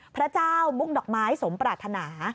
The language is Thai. พระเจ้ามุกดอกไม้สมปรารถนา